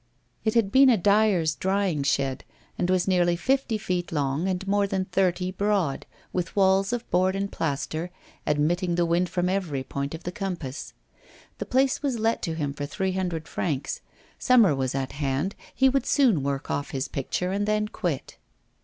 It had been a dyer's drying shed, and was nearly fifty feet long and more than thirty broad, with walls of board and plaster admitting the wind from every point of the compass. The place was let to him for three hundred francs. Summer was at hand; he would soon work off his picture and then quit.